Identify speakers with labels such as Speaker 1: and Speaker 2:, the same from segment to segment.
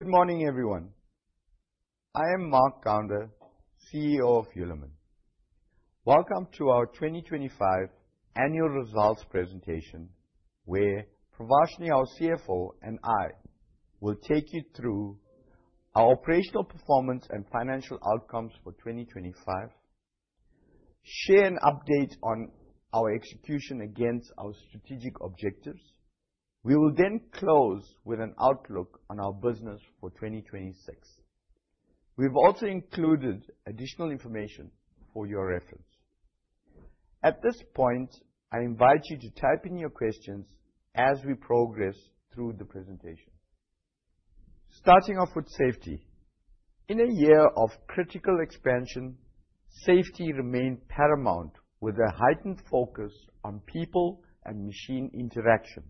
Speaker 1: Good morning, everyone. I am Mark Gounder, CEO of Hulamin. Welcome to our 2025 annual results presentation, where Pravashni, our CFO, and I will take you through our operational performance and financial outcomes for 2025, and share an update on our execution against our strategic objectives. We will then close with an outlook on our business for 2026. We've also included additional information for your reference. At this point, I invite you to type in your questions as we progress through the presentation. Starting off with safety. In a year of critical expansion, safety remained paramount with a heightened focus on people and machine interaction.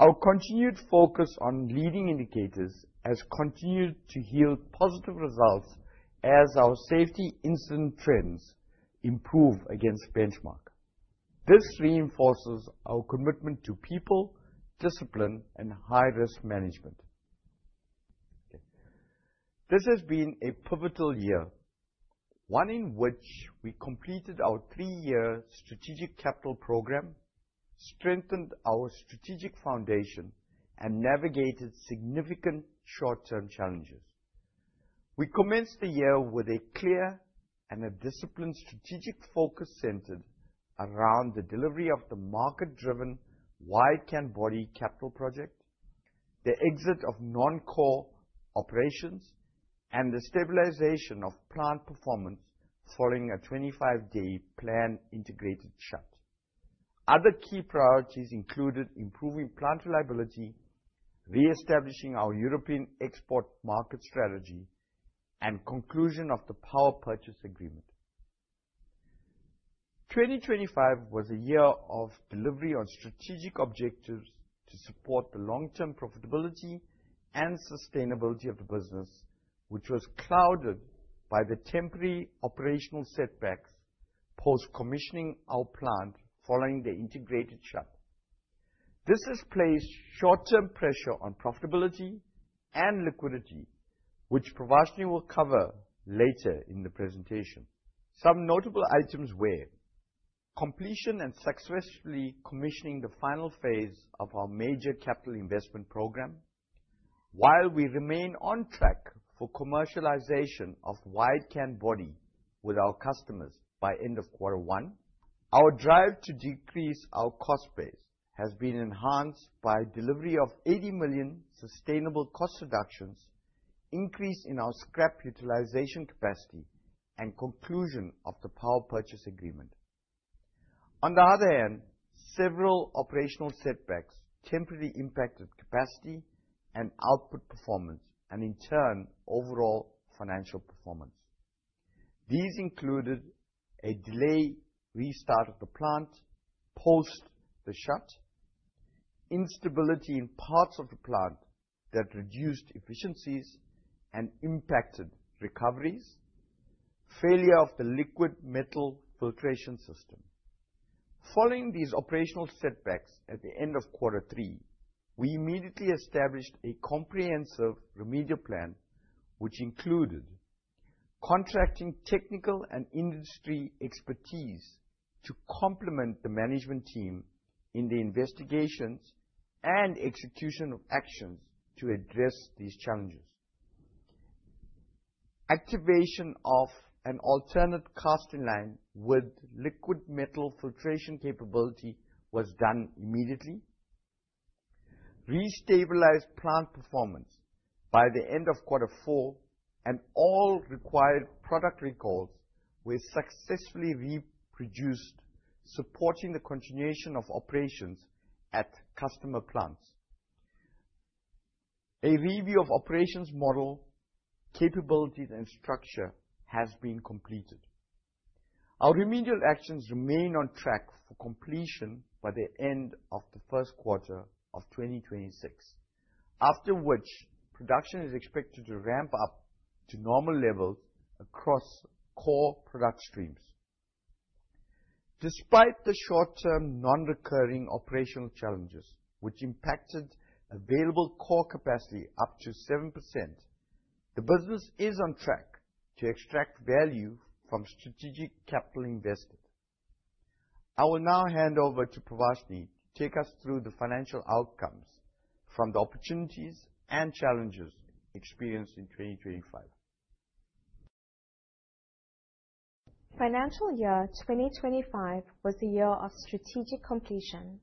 Speaker 1: Our continued focus on leading indicators has continued to yield positive results as our safety incident trends improve against benchmark. This reinforces our commitment to people, discipline, and high-risk management. This has been a pivotal year, one in which we completed our three-year strategic capital program, strengthened our strategic foundation, and navigated significant short-term challenges. We commenced the year with a clear and disciplined strategic focus centered around the delivery of the market-driven wide canbody capital project, the exit of non-core operations, and the stabilization of plant performance following a 25-day planned integrated shutdown. Other key priorities included improving plant reliability, reestablishing our European export market strategy, and conclusion of the power purchase agreement. Twenty twenty-five was a year of delivery on strategic objectives to support the long-term profitability and sustainability of the business, which was clouded by the temporary operational setbacks post-commissioning our plant following the integrated shutdown. This has placed short-term pressure on profitability and liquidity, which Pravashni will cover later in the presentation. Some notable items were the completion and successful commissioning of the final phase of our major capital investment program. While we remain on track for commercialization of wide canbody with our customers by end of quarter one, our drive to decrease our cost base has been enhanced by delivery of 80 million sustainable cost reductions, increase in our scrap utilization capacity, and conclusion of the power purchase agreement. On the other hand, several operational setbacks temporarily impacted capacity and output performance, and in turn, overall financial performance. These included a delayed restart of the plant post the shutdown, instability in parts of the plant that reduced efficiencies and impacted recoveries, failure of the liquid metal filtration system. Following these operational setbacks at the end of quarter three, we immediately established a comprehensive remedial plan, which included contracting technical and industry expertise to complement the management team in the investigations and execution of actions to address these challenges. Activation of an alternate casting line with liquid metal filtration capability was done immediately. Restabilized plant performance by the end of quarter four and all required product recalls were successfully reproduced, supporting the continuation of operations at customer plants. A review of operations model capabilities and structure has been completed. Our remedial actions remain on track for completion by the end of the first quarter of 2026, after which production is expected to ramp up to normal levels across core product streams. Despite the short-term non-recurring operational challenges, which impacted available core capacity up to 7%, the business is on track to extract value from strategic capital investment. I will now hand over to Pravashni to take us through the financial outcomes from the opportunities and challenges experienced in 2025.
Speaker 2: Financial year 2025 was a year of strategic completion,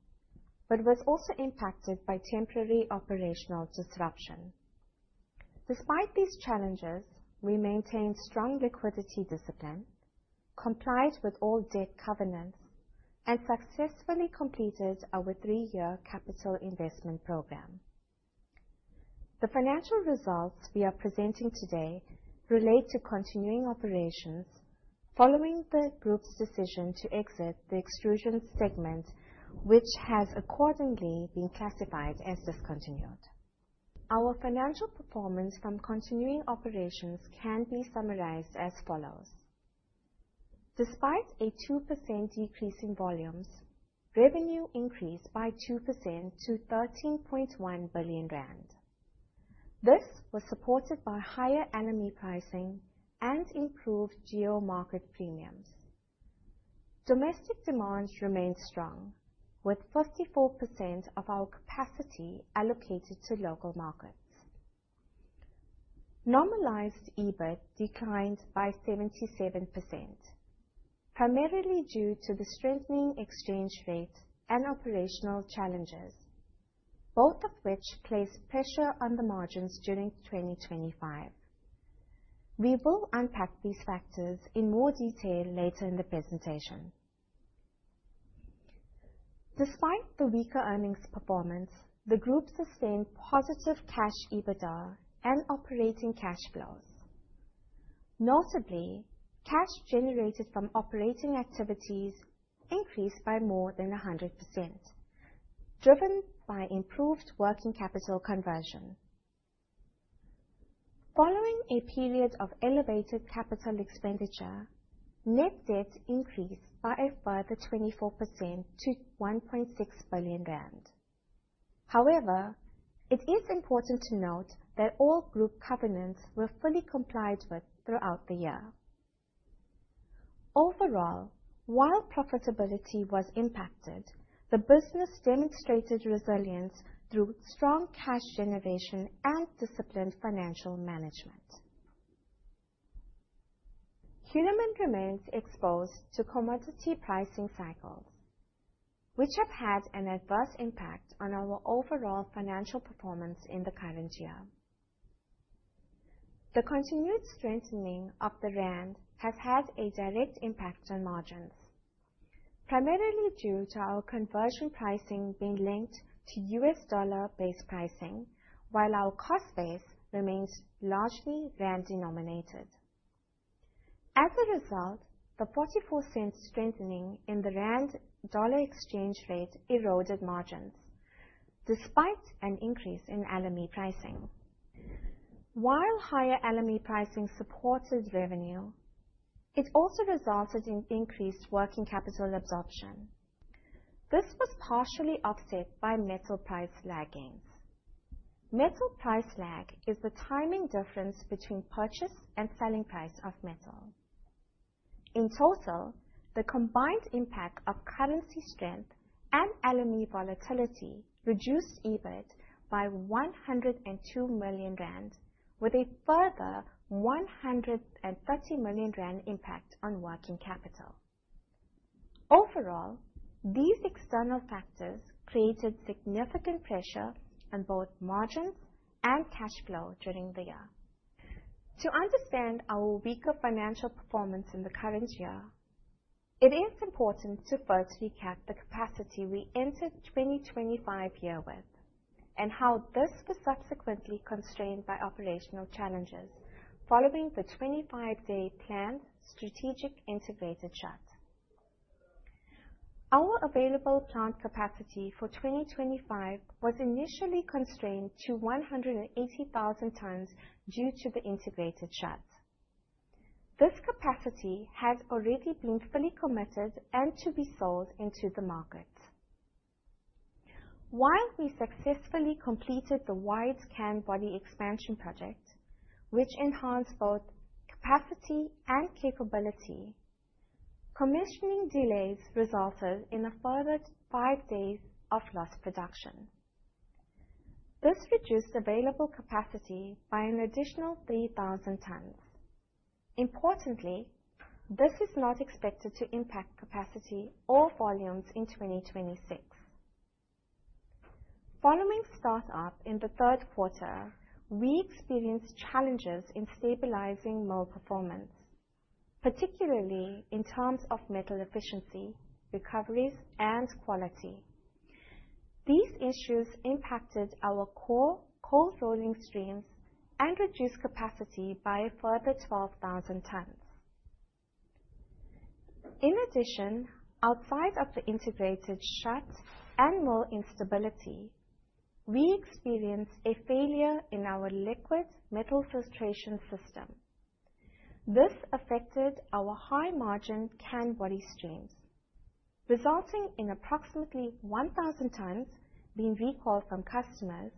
Speaker 2: but was also impacted by temporary operational disruption. Despite these challenges, we maintained strong liquidity discipline, complied with all debt covenants, and successfully completed our three-year capital investment program. The financial results we are presenting today relate to continuing operations following the group's decision to exit the Extrusions segment, which has accordingly been classified as discontinued. Our financial performance from continuing operations can be summarized as follows. Despite a 2% decrease in volumes, revenue increased by 2% to 13.1 billion rand. This was supported by higher LME pricing and improved geo-market premiums. Domestic demands remained strong, with 54% of our capacity allocated to local markets. Normalized EBIT declined by 77%, primarily due to the strengthening exchange rate and operational challenges, both of which place pressure on the margins during 2025. We will unpack these factors in more detail later in the presentation. Despite the weaker earnings performance, the group sustained positive cash EBITDA and operating cash flows. Notably, cash generated from operating activities increased by more than 100%, driven by improved working capital conversion. Following a period of elevated CapEx, net debt increased by a further 24% to 1.6 billion rand. However, it is important to note that all group covenants were fully complied with throughout the year. Overall, while profitability was impacted, the business demonstrated resilience through strong cash generation and disciplined financial management. Hulamin remains exposed to commodity pricing cycles, which have had an adverse impact on our overall financial performance in the current year. The continued strengthening of the rand has had a direct impact on margins, primarily due to our conversion pricing being linked to U.S. dollar-based pricing while our cost base remains largely rand-denominated. As a result, the 0.44 strengthening in the rand-dollar exchange rate eroded margins despite an increase in LME pricing. While higher LME pricing supported revenue, it also resulted in increased working capital absorption. This was partially offset by metal price lag gains. Metal price lag is the timing difference between purchase and selling price of metal. In total, the combined impact of currency strength and LME volatility reduced EBIT by 102 million rand with a further 130 million rand impact on working capital. Overall, these external factors created significant pressure on both margins and cash flow during the year. To understand our weaker financial performance in the current year, it is important to first recap the capacity we entered 2025 year with and how this was subsequently constrained by operational challenges following the 25-day planned strategic integrated shut. Our available plant capacity for 2025 was initially constrained to 180,000 tons due to the integrated shut. This capacity had already been fully committed and to be sold into the market. While we successfully completed the wide canbody expansion project, which enhanced both capacity and capability, commissioning delays resulted in a further five days of lost production. This reduced available capacity by an additional 3,000 tons. Importantly, this is not expected to impact capacity or volumes in 2026. Following start up in the third quarter, we experienced challenges in stabilizing mill performance, particularly in terms of metal efficiency, recoveries, and quality. These issues impacted our core cold rolling streams and reduced capacity by a further 12,000 tons. In addition, outside of the integrated shut and mill instability, we experienced a failure in our liquid metal filtration system. This affected our high-margin canbody streams, resulting in approximately 1,000 tons being recalled from customers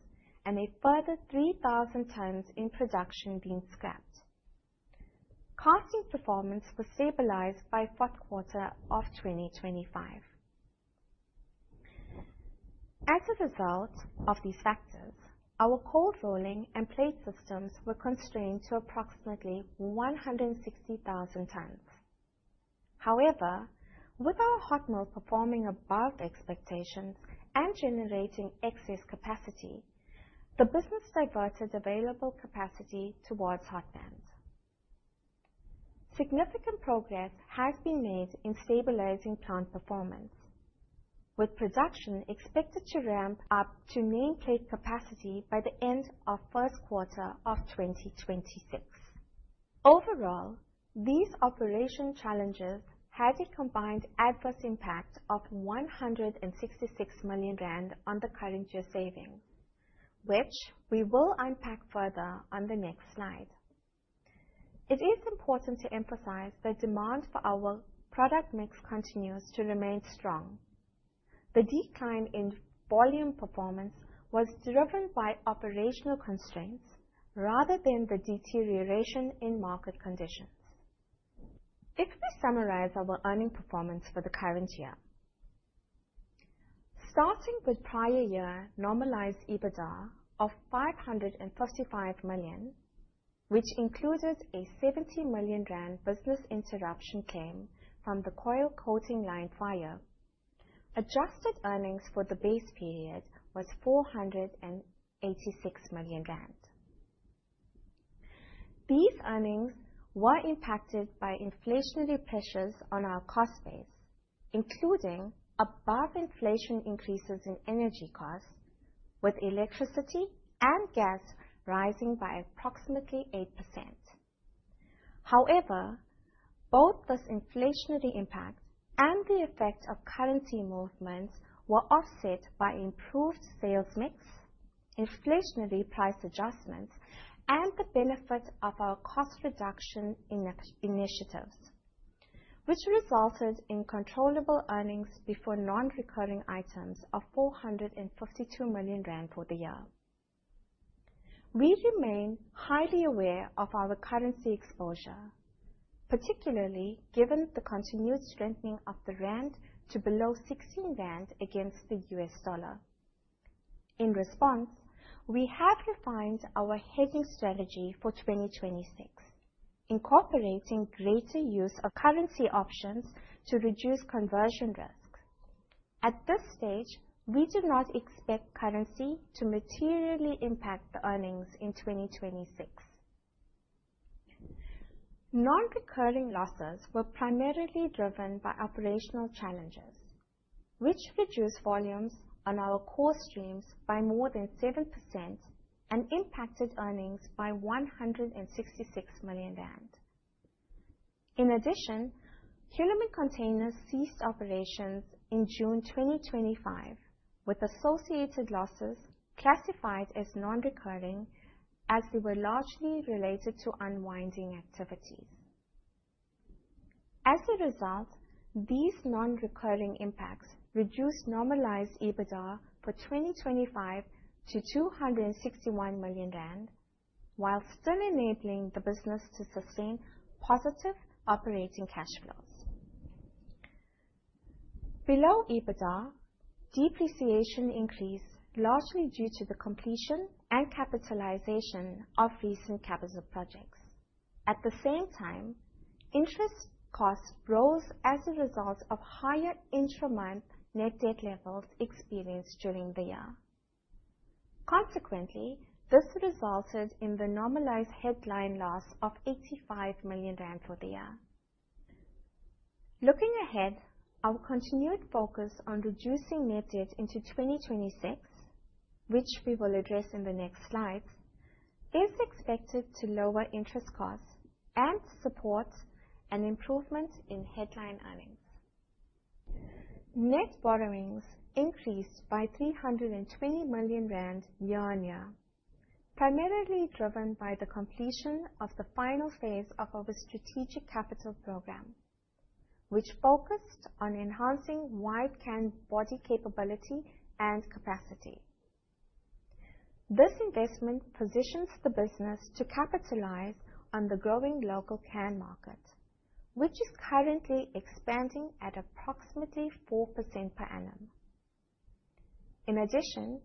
Speaker 2: and a further 3,000 tons in production being scrapped. Casting performance was stabilized by fourth quarter of 2025. As a result of these factors, our cold rolling and plate systems were constrained to approximately 160,000 tons. However, with our hot mill performing above expectations and generating excess capacity, the business diverted available capacity towards hotbands. Significant progress has been made in stabilizing plant performance, with production expected to ramp up to main plate capacity by the end of first quarter of 2026. Overall, these operational challenges had a combined adverse impact of 166 million rand on the current-year savings. Which we will unpack further on the next slide. It is important to emphasize the demand for our product mix continues to remain strong. The decline in volume performance was driven by operational constraints rather than the deterioration in market conditions. If we summarize our earnings performance for the current year. Starting with prior-year normalized EBITDA of 555 million, which included a 70 million rand business interruption claim from the coil coating line fire. Adjusted earnings for the base period was 486 million rand. These earnings were impacted by inflationary pressures on our cost base, including above inflation increases in energy costs, with electricity and gas rising by approximately 8%. However, both this inflationary impact and the effect of currency movements were offset by improved sales mix, inflationary price adjustments, and the benefit of our cost reduction initiatives, which resulted in controllable earnings before non-recurring items of 452 million rand for the year. We remain highly aware of our currency exposure, particularly given the continued strengthening of the rand to below 16 rand against the U.S. dollar. In response, we have refined our hedging strategy for 2026, incorporating greater use of currency options to reduce conversion risks. At this stage, we do not expect currency to materially impact the earnings in 2026. Non-recurring losses were primarily driven by operational challenges, which reduced volumes on our core streams by more than 7% and impacted earnings by 166 million rand. In addition, Hulamin Containers ceased operations in June 2025, with associated losses classified as non-recurring as they were largely related to unwinding activities. As a result, these non-recurring impacts reduced normalized EBITDA for 2025 to 261 million rand, while still enabling the business to sustain positive operating cash flows. Below EBITDA, depreciation increased largely due to the completion and capitalization of recent capital projects. At the same time, interest costs rose as a result of higher intra-month net debt levels experienced during the year. Consequently, this resulted in the normalized headline loss of 85 million rand for the year. Looking ahead, our continued focus on reducing net debt into 2026, which we will address in the next slides, is expected to lower interest costs and support an improvement in headline earnings. Net borrowings increased by 320 million rand year-on-year, primarily driven by the completion of the final phase of our strategic capital program, which focused on enhancing wide canbody capability and capacity. This investment positions the business to capitalize on the growing local can market, which is currently expanding at approximately 4% per annum. In addition,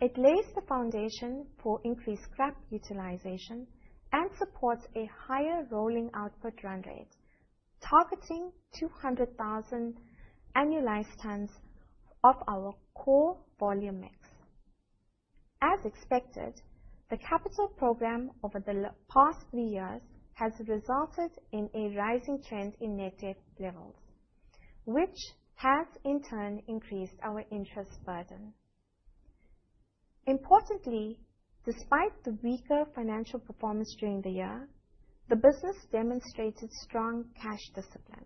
Speaker 2: it lays the foundation for increased scrap utilization and supports a higher rolling output run rate, targeting 200,000 annualized tons of our core volume mix. As expected, the capital program over the past three years has resulted in a rising trend in net debt levels, which has in turn increased our interest burden. Importantly, despite the weaker financial performance during the year, the business demonstrated strong cash discipline.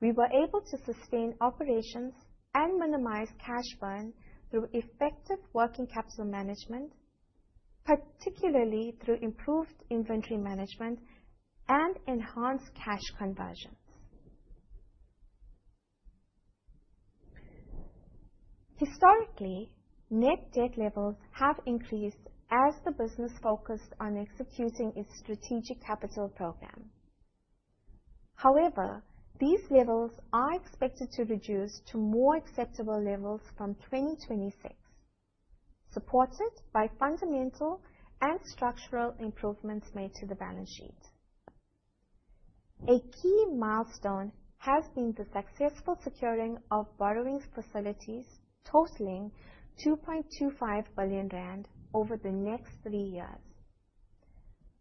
Speaker 2: We were able to sustain operations and minimize cash burn through effective working capital management, particularly through improved inventory management and enhanced cash conversions. Historically, net debt levels have increased as the business focused on executing its strategic capital program. However, these levels are expected to reduce to more acceptable levels from 2026, supported by fundamental and structural improvements made to the balance sheet. A key milestone has been the successful securing of borrowing facilities totaling 2.25 billion rand over the next three years.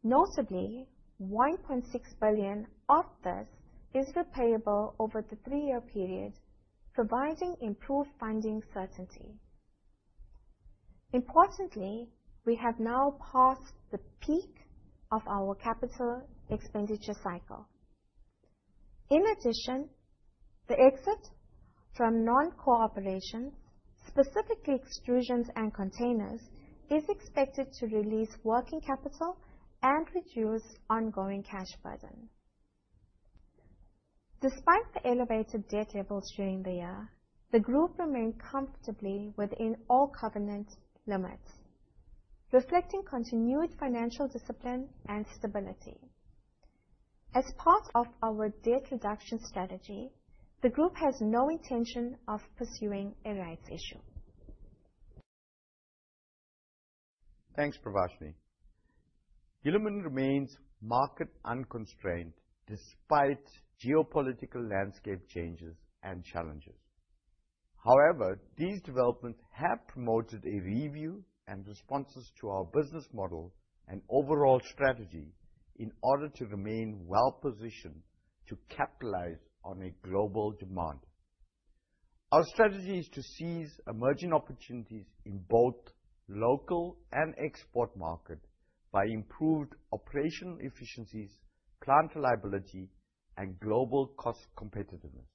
Speaker 2: Notably, 1.6 billion of this is repayable over the three-year period, providing improved funding certainty. Importantly, we have now passed the peak of our CapEx cycle. In addition, the exit from non-core operations, specifically extrusions and containers, is expected to release working capital and reduce ongoing cash burn. Despite the elevated debt levels during the year, the group remained comfortably within all covenant limits, reflecting continued financial discipline and stability. As part of our debt reduction strategy, the group has no intention of pursuing a rights issue.
Speaker 1: Thanks, Pravashni. Hulamin remains market unconstrained despite geopolitical landscape changes and challenges. However, these developments have promoted a review and responses to our business model and overall strategy in order to remain well-positioned to capitalize on a global demand. Our strategy is to seize emerging opportunities in both local and export market by improved operational efficiencies, plant reliability and global cost competitiveness.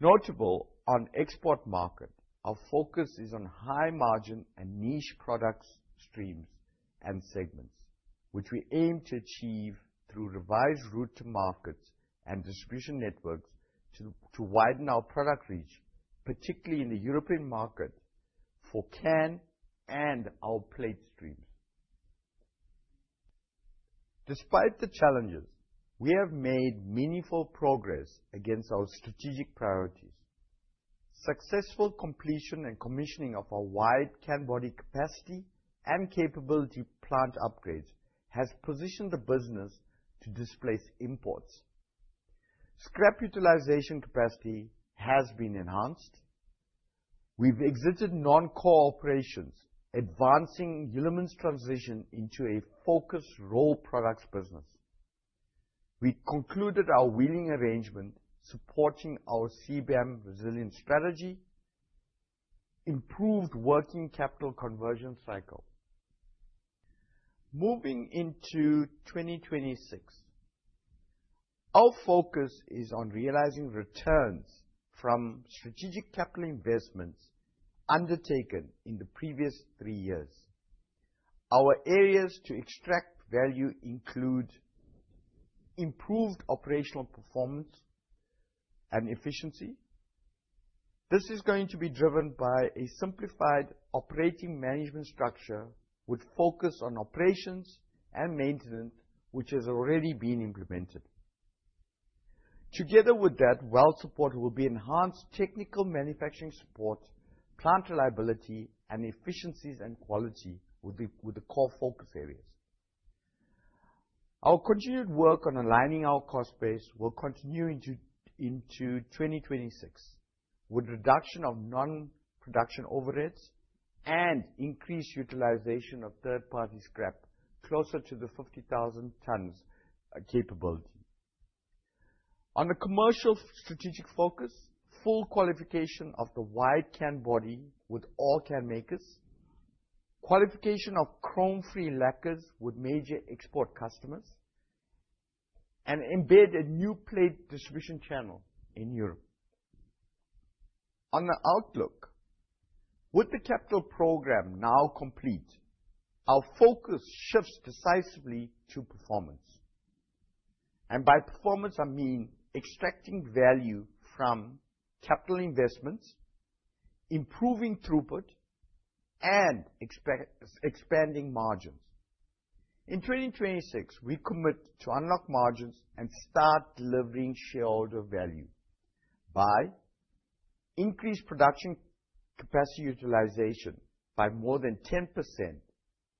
Speaker 1: Notable on export market, our focus is on high-margin and niche product streams and segments, which we aim to achieve through revised route to markets and distribution networks to widen our product reach, particularly in the European market for can and our plate streams. Despite the challenges, we have made meaningful progress against our strategic priorities. Successful completion and commissioning of our wide canbody capacity and capability plant upgrades has positioned the business to displace imports. Scrap utilization capacity has been enhanced. We've exited non-core operations, advancing Hulamin's transition into a focused rolled products business. We concluded our winding arrangement supporting our CBAM resilience strategy, improved working capital conversion cycle. Moving into 2026, our focus is on realizing returns from strategic capital investments undertaken in the previous three years. Our areas to extract value include improved operational performance and efficiency. This is going to be driven by a simplified operating management structure with focus on operations and maintenance, which has already been implemented. Together with that, support will be enhanced technical manufacturing support, plant reliability, and efficiencies and quality with the core focus areas. Our continued work on aligning our cost base will continue into 2026, with reduction of non-production overheads and increased utilization of third-party scrap closer to the 50,000 tons capability. On the commercial strategic focus, full qualification of the wide canbody with all can makers, qualification of chrome-free lacquers with major export customers, and embed a new plate distribution channel in Europe. On the outlook, with the capital program now complete, our focus shifts decisively to performance, and by performance I mean extracting value from capital investments, improving throughput and expanding margins. In 2026, we commit to unlock margins and start delivering shareholder value by increased production capacity utilization by more than 10%,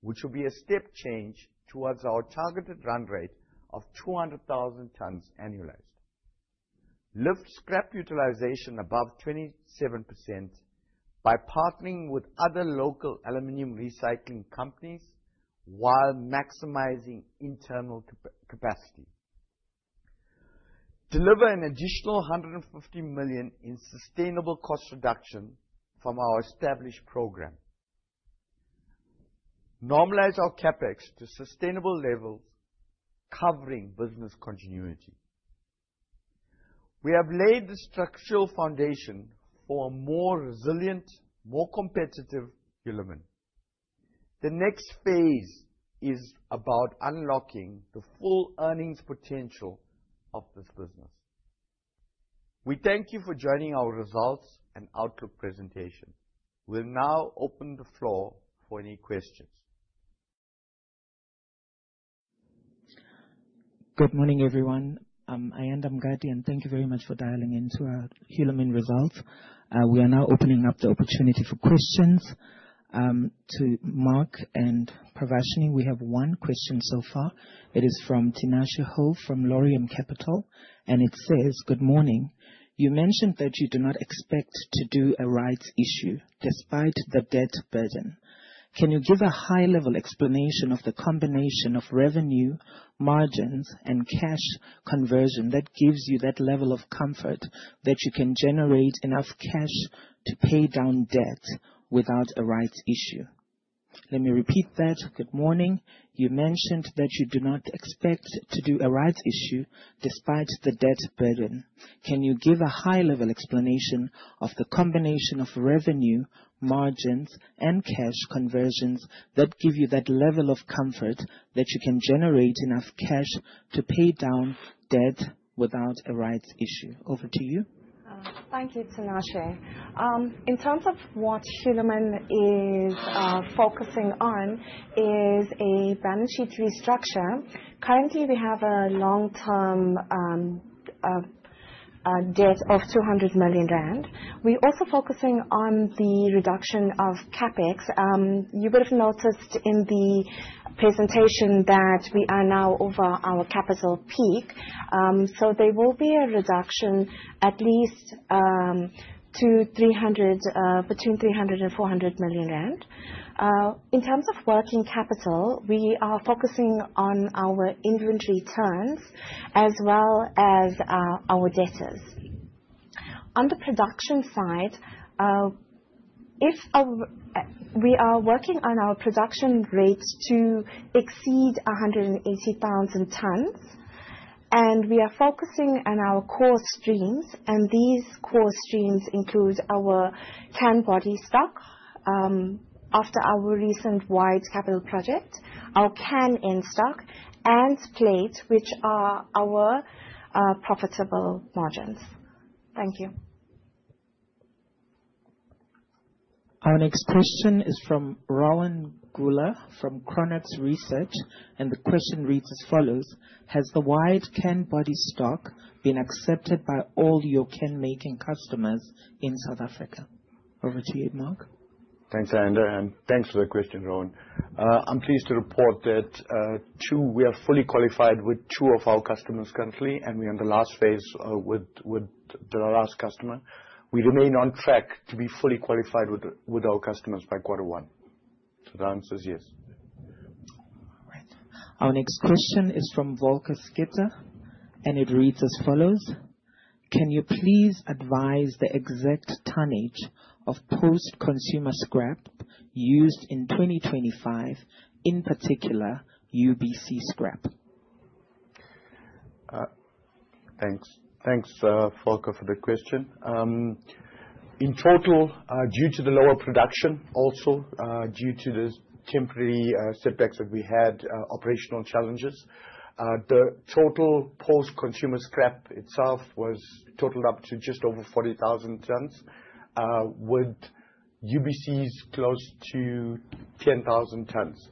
Speaker 1: which will be a step change towards our targeted run rate of 200,000 tons annualized. Lift scrap utilization above 27% by partnering with other local aluminum recycling companies while maximizing internal capacity. Deliver an additional 150 million in sustainable cost reduction from our established program. Normalize our CapEx to sustainable levels, covering business continuity. We have laid the structural foundation for a more resilient, more competitive Hulamin. The next phase is about unlocking the full earnings potential of this business. We thank you for joining our results and outlook presentation. We'll now open the floor for any questions.
Speaker 3: Good morning, everyone. I'm Ayanda Mngadi, and thank you very much for dialing in to our Hulamin results. We are now opening up the opportunity for questions to Mark and Pravashni. We have one question so far. It is from Tinashe Hove from Laurium Capital, and it says: "Good morning. You mentioned that you do not expect to do a rights issue despite the debt burden. Can you give a high-level explanation of the combination of revenue margins and cash conversion that gives you that level of comfort that you can generate enough cash to pay down debt without a rights issue?" Let me repeat that. "Good morning. You mentioned that you do not expect to do a rights issue despite the debt burden. Can you give a high-level explanation of the combination of revenue, margins, and cash conversions that give you that level of comfort that you can generate enough cash to pay down debt without a rights issue." Over to you.
Speaker 2: Thank you, Tinashe. In terms of what Hulamin is focusing on is a balance sheet restructure. Currently, we have a long-term debt of 200 million rand. We're also focusing on the reduction of CapEx. You would have noticed in the presentation that we are now over our capital peak. There will be a reduction at least between 300 million rand and 400 million rand. In terms of working capital, we are focusing on our inventory terms as well as our debtors. On the production side, we are working on our production rates to exceed 180,000 tons, and we are focusing on our core streams, and these core streams include our canbody stock, after our recent wide canbody capital project, our can end stock, and plate, which are our profitable margins. Thank you.
Speaker 3: Our next question is from Rowan Goeller from Chronux Research, and the question reads as follows: Has the wide canbody stock been accepted by all your can-making customers in South Africa? Over to you, Mark.
Speaker 1: Thanks, Ayanda, and thanks for the question, Rowan. I'm pleased to report that we are fully qualified with two of our customers currently, and we're in the last phase with the last customer. We remain on track to be fully qualified with our customers by quarter one. The answer is yes.
Speaker 3: All right. Our next question is from Volker Schutte, and it reads as follows: "Can you please advise the exact tonnage of post-consumer scrap used in 2025, in particular UBC scrap?"
Speaker 1: Thanks, Volker, for the question. In total, due to the lower production also, due to the temporary setbacks that we had, operational challenges, the total post-consumer scrap itself was totaled up to just over 40,000 tons, with UBCs close to 10,000 tons.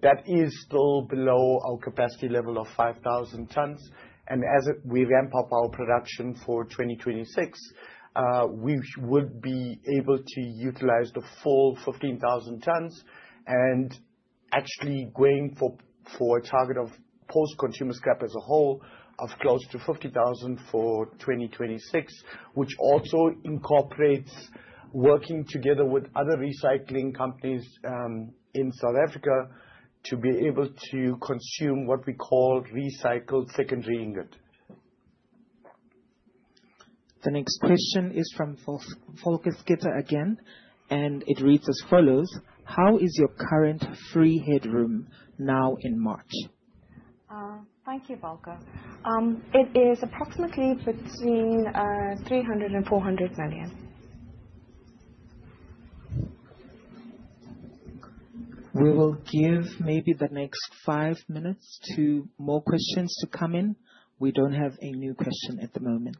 Speaker 1: That is still below our capacity level of 5,000 tons, and we ramp up our production for 2026, we would be able to utilize the full 15,000 tons, and actually going for a target of post-consumer scrap as a whole of close to 50,000 tons for 2026, which also incorporates working together with other recycling companies in South Africa to be able to consume what we call recycled secondary ingot.
Speaker 3: The next question is from Volker Schutte again, and it reads as follows: How is your current free headroom now in March?
Speaker 2: Thank you, Volker. It is approximately between 300 million and 400 million.
Speaker 3: We will give maybe the next five minutes to more questions to come in. We don't have a new question at the moment.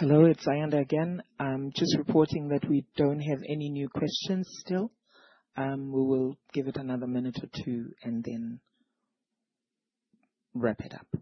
Speaker 3: Hello, it's Ayanda again. Just reporting that we don't have any new questions still. We will give it another minute or two, and then wrap it up.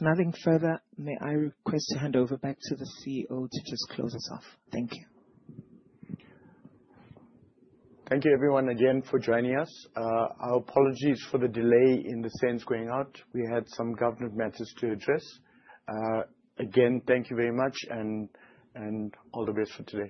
Speaker 3: With nothing further, may I request to hand over back to the CEO to just close us off. Thank you.
Speaker 1: Thank you everyone again for joining us. Our apologies for the delay in the statement going out. We had some government matters to address. Again, thank you very much and all the best for today.